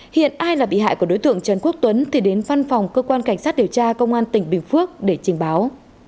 hiện ai là bị hại của đối tượng trần quốc tuấn thì đến văn phòng cơ quan cảnh sát điều tra công an tỉnh bình phước để trình báo